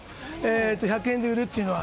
１００円で売るというのは。